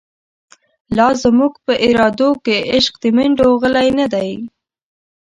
لا زموږ په ارادو کی، عشق د مڼډو غلۍ نه دۍ